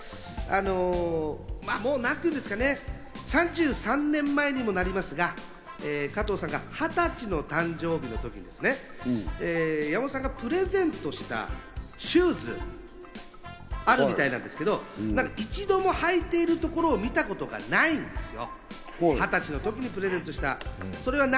なんて言うんですかね、もう３３年前にもなりますが、加藤さんが２０歳の誕生日の時に山本さんがプレゼントしたシューズあるみたいなんですけど、一度も、はいているところを見たことがないんですよ。